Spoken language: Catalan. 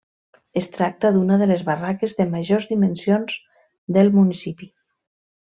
Es tracta d'una de les barraques de majors dimensions del municipi.